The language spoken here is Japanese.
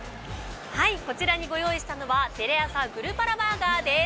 こちらにご用意したのはテレアサ「グルパラバーガー」です。